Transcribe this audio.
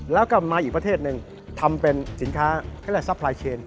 แล้วก็มาอีกประเทศหนึ่งทำเป็นสินค้าเขาเรียกซัพพลายเชน